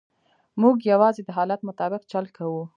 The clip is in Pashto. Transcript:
موږ یوازې د حالت مطابق چل کوو.